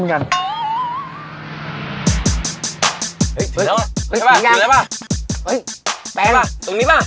แปงดูนี้ไเปล่า